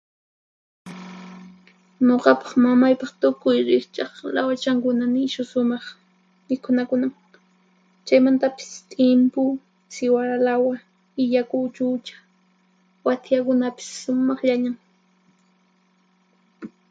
Nuqapaq mamaypaq tukuy riqch'aq lawachankuna nishu sumaq mikhunakunan; chaymantapis t'impu, siwaralawa, illaku uchucha, wathiyakunapis sumaqllañan.